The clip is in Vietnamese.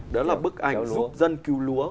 đó là bức ảnh giúp dân cứu lúa